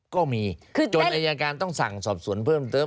ก็มีจนอายการต้องสั่งสอบสวนเพิ่มเติม